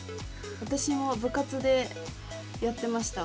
私も部活でやってましたこれ。